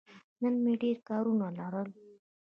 نن مې ډېر کارونه لرل.